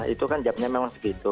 itu kan jamnya memang segitu